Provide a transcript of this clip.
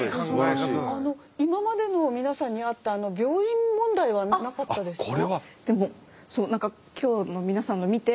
今までの皆さんにあった病院問題はなかったですか？